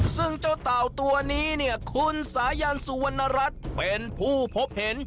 ซึ่งเจ้าเต่าตัวนี้เนี่ยคุณสายันสุวรรณรัฐเป็นผู้พบเห็น